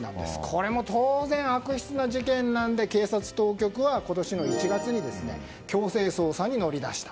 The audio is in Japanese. これも当然、悪質な事件なので警察当局は今年の１月に強制捜査に乗り出した。